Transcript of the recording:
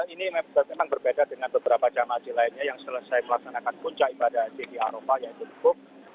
ini berbeda dengan beberapa jemaah haji lainnya yang selesai melaksanakan kunca ibadah haji di aropah yaitu khutbah